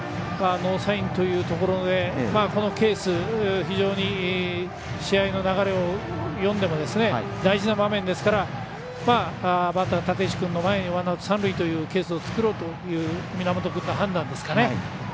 ノーサインというところでこのケース非常に試合の流れを読んでも大事な場面ですからバッター、立石君の前にワンアウト三塁を作ろうという源君の判断ですかね。